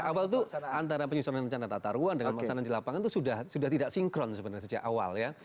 awal itu antara penyusunan rencana tata ruang dengan pelaksanaan di lapangan itu sudah tidak sinkron sebenarnya sejak awal ya